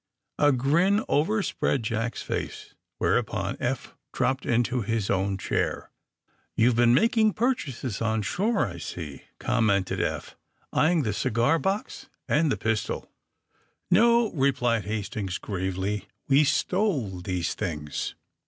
A grin overspread Jack's face, whereupon Eph dropped into his own chair. You've been making purchases on shore, I see, '' commented Eph, eyeing the cigar box and the pistol. 98 THE SUBMAEINE BOYS No," replied Hastings gravely; we stole these things.''